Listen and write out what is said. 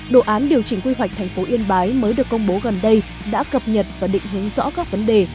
đồ án điều chỉnh quy hoạch thành phố yên bái mới được công bố gần đây đã cập nhật và định hướng rõ các vấn đề